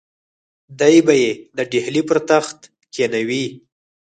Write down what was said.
دی به یې د ډهلي پر تخت کښېنوي.